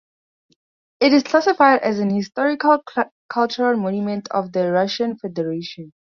It is classified as an historical cultural monument of the Russian Federation.